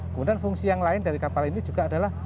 kemudian fungsi yang lain dari kapal ini juga adalah